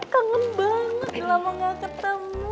kangen banget udah lama gak ketemu